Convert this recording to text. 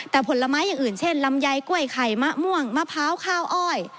แต่ผลไม้อย่างอื่นเช่นลำไยกล้วยไข่มะม่วงมะพร้าวข้าวอ้อย